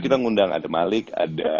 kita ngundang ada malik ada